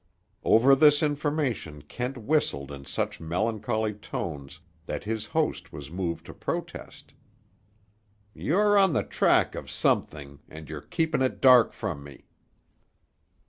Over this information Kent whistled in such melancholy tones that his host was moved to protest. "You're on the track of something, and you're keeping it dark from me!"